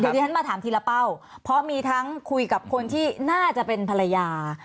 เดี๋ยวที่ฉันมาถามทีละเป้าเพราะมีทั้งคุยกับคนที่น่าจะเป็นภรรยา